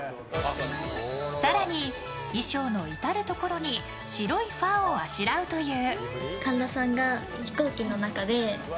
更に、衣装の至るところに白いファーをあしらうという。